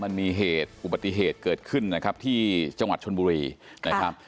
มันมีเหตุอุบัติเหตุเกิดขึ้นนะครับที่จังหวัดชนบุรีนะครับ